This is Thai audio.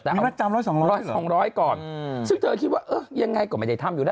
ไม่มาจำร้อย๒๐๐บาทหรอ๒๐๐บาทก่อนซึ่งเธอคิดว่ายังไงก็ไม่ได้ทำอยู่แล้ว